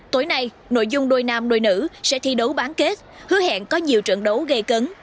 tối nay nội dung đôi nam đôi nữ sẽ thi đấu bán kết hứa hẹn có nhiều trận đấu gây cấn